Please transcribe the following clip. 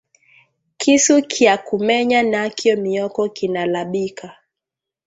Kisu kya ku menya nakyo myoko kinalabika